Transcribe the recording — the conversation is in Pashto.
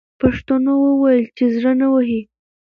پښتنو وویل چې زړه نه وهي.